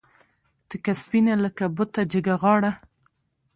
تکه سپینه لکه بته جګه غاړه